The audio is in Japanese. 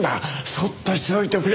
そっとしておいてくれ。